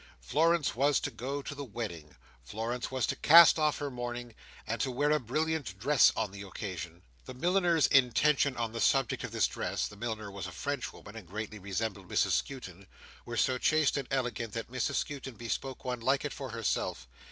Florence was to go to the wedding. Florence was to cast off her mourning, and to wear a brilliant dress on the occasion. The milliner's intentions on the subject of this dress—the milliner was a Frenchwoman, and greatly resembled Mrs Skewton—were so chaste and elegant, that Mrs Skewton bespoke one like it for herself.